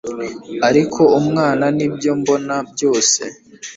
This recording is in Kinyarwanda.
ariko umwana nibyo mbona byose